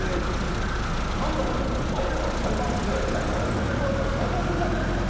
判断をあおぐのは裁判所で、何かもめ事があったら、裁判所じゃないですか。